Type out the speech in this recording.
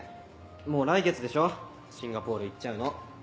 もう来月でしょシンガポール行っちゃうの。